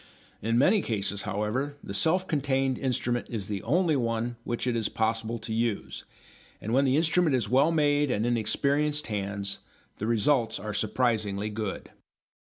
In many cases, however, the self contained instrument is the only one which it is possible to use, and when the instrument is well made and in experienced hands the results are surprisingly good.